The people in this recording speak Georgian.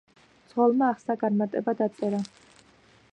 მძღოლმა ახსნა-განმარტება დაწერა.